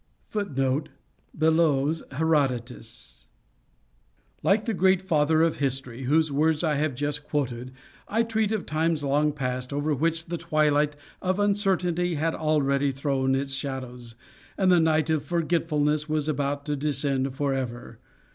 " Like the great Father of History, whose words I have just quoted, I treat of times long past, over which the twilight of uncertainty had already thrown its shadows, and the night of forgetfulness was about to descend for ever.